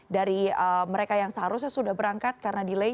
dari mereka yang seharusnya sudah berangkat karena delay